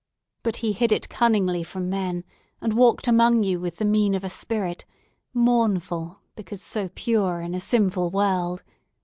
But he hid it cunningly from men, and walked among you with the mien of a spirit, mournful, because so pure in a sinful world!